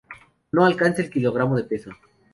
No alcanza el kilogramo de peso.